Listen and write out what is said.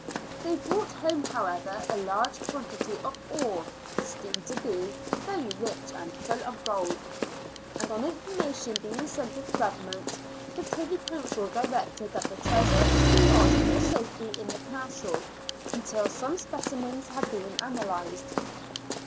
They brought home, however, a large quantity of ore, esteemed to be " very rich and full of gold," and on information being sent to the Government, the Privy Council directed that the treasure should be lodged for safety in the Castle until some specimens had been analysed.